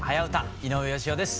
井上芳雄です。